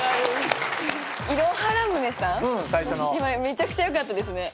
めちゃくちゃよかったですね。